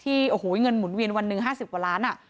ที่เงินหมุนเวียนวันนึง๕๐วันล้านอ่ะ